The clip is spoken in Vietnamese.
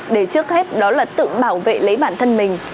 để trước hết đó là tự bảo vệ lấy bản thân mình